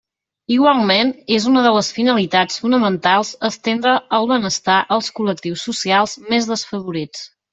Igualment és una de les finalitats fonamentals estendre el benestar als col·lectius socials més desafavorits.